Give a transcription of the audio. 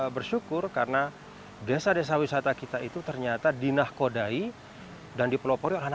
dan saya bersyukur karena desa desa wisata kita itu ternyata dinahkodai dan dipelopori oleh anak anak